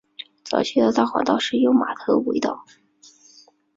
早期的大环道是由马头围道。